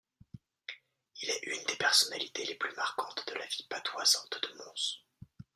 Il est une des personnalités les plus marquantes de la vie patoisante de Mons.